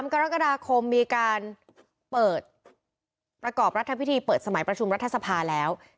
กรกฎาคมมีการเปิดประกอบรัฐพิธีเปิดสมัยประชุมรัฐสภาแล้ว